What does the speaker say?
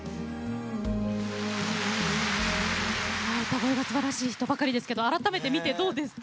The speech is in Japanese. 歌声がすばらしい人ばかりですが改めてみて、どうですか？